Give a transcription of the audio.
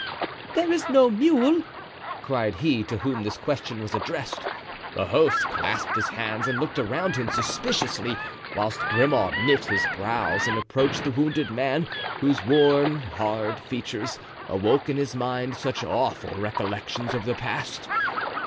"There is no mule," cried he to whom this question was addressed. The host clasped his hands and looked around him suspiciously, whilst Grimaud knit his brows and approached the wounded man, whose worn, hard features awoke in his mind such awful recollections of the past.